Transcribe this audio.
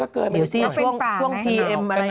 ก็โอเคมันก็เกินไว้